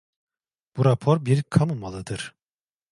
Bu rapor bir kamu malıdır.